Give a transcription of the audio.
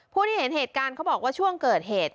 ผู้ที่เห็นเหตุการณ์เขาบอกว่าช่วงเกิดเหตุ